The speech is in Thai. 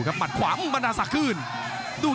รับทราบบรรดาศักดิ์